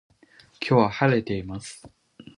今日は晴れています